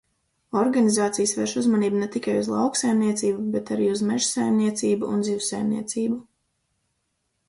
Organizācijas vērš uzmanību ne tikai uz lauksaimniecību, bet arī uz mežsaimniecību un zivsaimniecību.